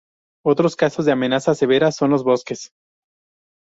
Otros casos de amenaza severa son los bosques.